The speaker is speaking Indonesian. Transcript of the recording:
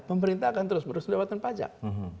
pemerintah akan terus menerus lewatkan pajak